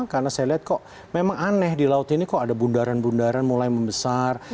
karena saya lihat kok memang aneh di laut ini kok ada bundaran bundaran mulai membesar